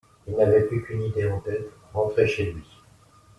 Il n’avait plus qu’une idée en tête: rentrer chez lui.